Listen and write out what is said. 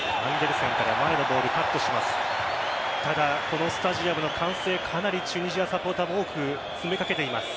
このスタジアムの歓声かなりチュニジアサポーターも多く詰めかけています。